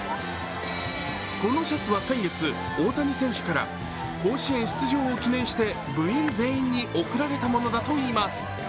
このシャツは先月、大谷選手から甲子園出場を記念して、部員全員に贈られたものだといいます。